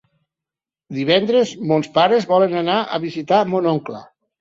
Divendres mons pares volen anar a visitar mon oncle.